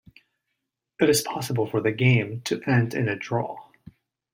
It is possible for the game to end in a draw.